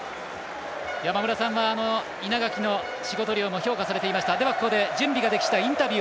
山村さんは稲垣の仕事量も評価されていました。